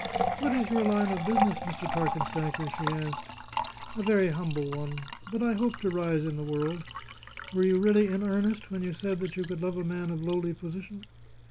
"What is your line of business, Mr. Parkenstacker?" she asked. "A very humble one. But I hope to rise in the world. Were you really in earnest when you said that you could love a man of lowly position?"